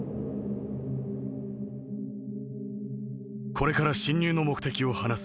「『これから侵入の目的を話す。